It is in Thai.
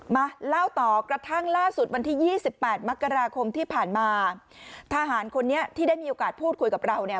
มาเล่าต่อกระทั่งล่าสุดวันที่ยี่สิบแปดมกราคมที่ผ่านมาทหารคนนี้ที่ได้มีโอกาสพูดคุยกับเราเนี่ย